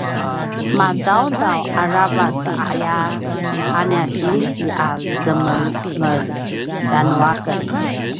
madaudav aravac aya a nia sinsi a zemenger tjanuaken